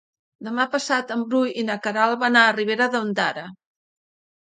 Demà passat en Bru i na Queralt van a Ribera d'Ondara.